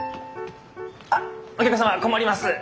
あっお客様困ります。